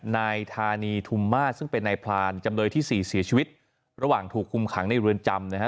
นายธานีทุมมาศซึ่งเป็นนายพรานจำเลยที่สี่เสียชีวิตระหว่างถูกคุมขังในเรือนจำนะฮะ